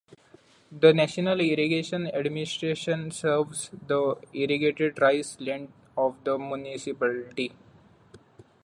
The National Irrigation Administration serves the irrigated rice land of the municipality.